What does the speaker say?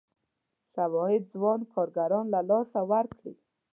شواهد ځوان کارګران له لاسه ورکړي.